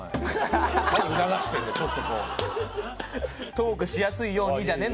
トークしやすいようにじゃねえんだよ。